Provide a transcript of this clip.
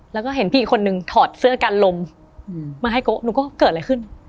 แล้วก็เห็นพี่อีกคนนึงถอดเสื้อกันลมมาให้โกะหนูก็เกิดอะไรขึ้น